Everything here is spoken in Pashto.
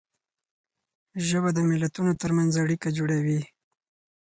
ژبه د ملتونو تر منځ اړیکه جوړوي.